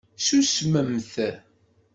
Tusmemt.